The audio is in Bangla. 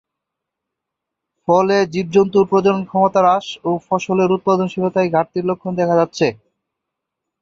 ফলে জীবজন্তুর প্রজনন ক্ষমতা হ্রাস ও ফসলের উৎপাদনশীলতায় ঘাটতির লক্ষণ দেখা যাচ্ছে।